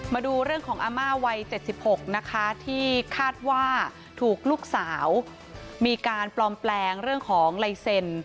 มาดูเรื่องของอาม่าวัย๗๖นะคะที่คาดว่าถูกลูกสาวมีการปลอมแปลงเรื่องของลายเซ็น